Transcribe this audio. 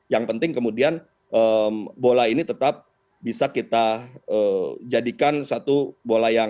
yang penting kemudian bola ini tetap bisa kita jadikan satu bola yang